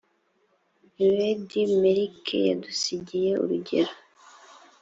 ebedi meleki yadusigiye urugero